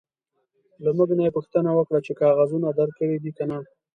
له موږ نه یې پوښتنه وکړه چې کاغذونه درکړي دي که نه.